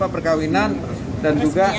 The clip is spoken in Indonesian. pergawinan dan juga